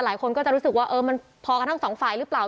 หลายคนก็จะรู้สึกว่าเออมันพอกันทั้งสองฝ่ายหรือเปล่า